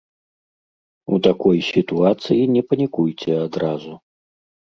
У такой сітуацыі не панікуйце адразу.